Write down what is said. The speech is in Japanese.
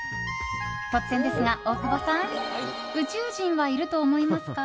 突然ですが、大久保さん宇宙人はいると思いますか。